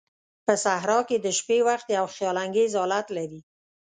په صحراء کې د شپې وخت یو خیال انگیز حالت لري.